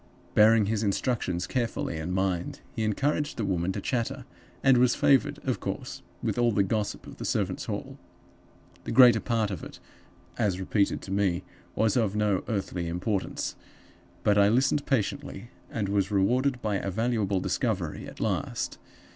Bearing his instructions carefully in mind, he encouraged the woman to chatter, and was favored, of course, with all the gossip of the servants' hall. The greater part of it (as repeated to me) was of no earthly importance. But I listened patiently, and was rewarded by a valuable discovery at last.